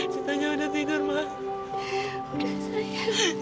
sita udah tidur mak